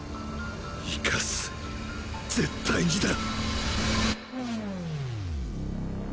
生かす絶対にだ。